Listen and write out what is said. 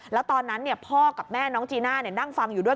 แล้วตอนนั้นพ่อกับแม่น้องจีน่านั่งฟังอยู่ด้วย